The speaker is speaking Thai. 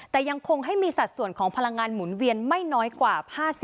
แต่ยังคงให้มีสัดส่วนของพลังงานหมุนเวียนไม่น้อยกว่า๕๐